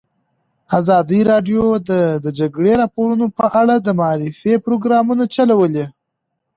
ازادي راډیو د د جګړې راپورونه په اړه د معارفې پروګرامونه چلولي.